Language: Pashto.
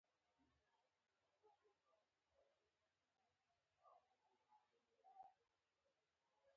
د وخت له عیني او ذهني شرایطو سره یې اړخ لګاوه.